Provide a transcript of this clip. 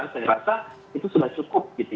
saya rasa itu sudah cukup